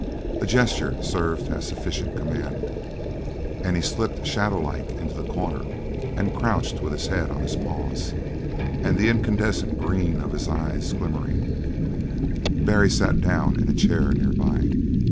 A gesture served as sufficient command, and he slipped shadow like into the corner and crouched with his head on his paws and the incandescent green of his eyes glimmering; Barry sat down in a chair nearby.